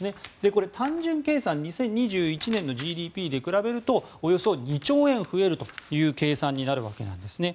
これ単純計算２０２１年のＧＤＰで比べるとおよそ２兆円増えるという計算になるわけなんですね。